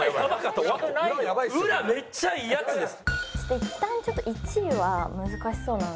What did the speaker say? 裏めっちゃいいヤツです。